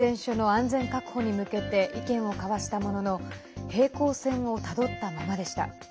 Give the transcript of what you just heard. ザポリージャ原子力発電所の安全確保に向けて意見を交わしたものの平行線をたどったままでした。